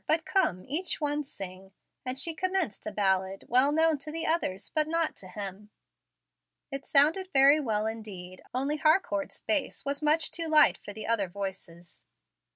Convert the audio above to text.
But come, each one sing"; and she commenced a ballad, well known to the others, but not to him. It sounded very well indeed, only Harcourt's bass was much too light for the other voices.